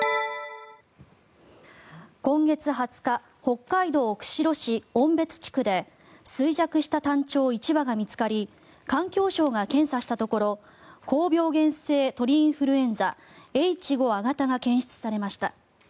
今月２０日北海道釧路市音別地区で衰弱したタンチョウ１羽が見つかり環境省が検査したところ高病原性鳥インフルエンザＨ５亜型が検出されました。